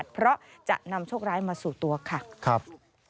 ครับ